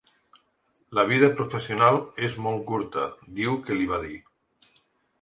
La vida professional és molt curta, diu que li va dir.